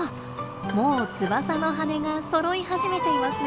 もう翼の羽がそろい始めていますね。